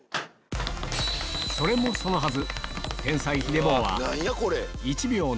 それもそのはず